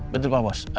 betul pak bos